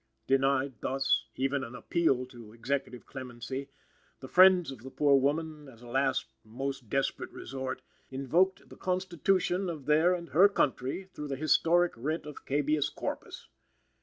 Denied, thus, even an appeal to Executive clemency, the friends of the poor woman, as a last most desperate resort, invoked the Constitution of their and her country through the historic writ of Habeas Corpus.